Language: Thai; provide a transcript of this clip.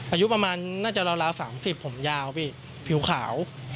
อายุประมาณน่าจะราว๓๐ผมยาวพี่ผิวขาว